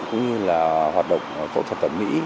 cũng như là hoạt động phẫu thuật thẩm mỹ